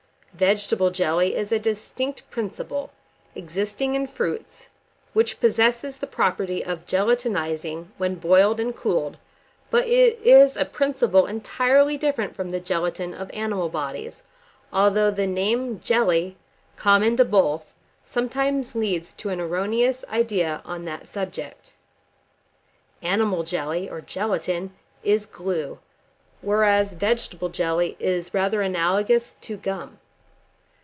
Vegetable jelly is a distinct principle, existing in fruits, which possesses the property of gelatinizing when boiled and cooled; but it is a principle entirely different from the gelatine of animal bodies, although the name of jelly, common to both, sometimes leads to an erroneous idea on that subject. Animal jelly, or gelatine, is glue, whereas vegetable jelly is rather analogous to gum.